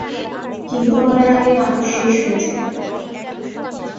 কিন্তু বলার আগেই মানুষ শেষ হয়ে যায়।